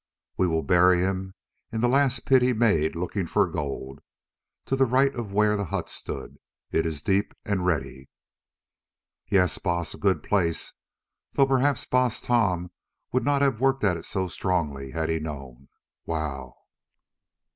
We will bury him in the last pit he made looking for gold, to the right of where the hut stood. It is deep and ready." "Yes, Baas, a good place—though perhaps Baas Tom would not have worked at it so strongly had he known. _Wow!